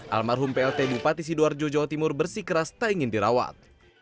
almarhum plt bupati sidoarjo jawa timur bersikeras tak ingin dirawat